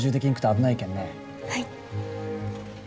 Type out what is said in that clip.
はい。